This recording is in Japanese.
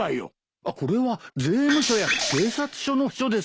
これは税務署や警察署の「署」ですね。